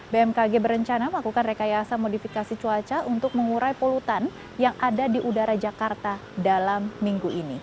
bmkg berencana melakukan rekayasa modifikasi cuaca untuk mengurai polutan yang ada di udara jakarta dalam minggu ini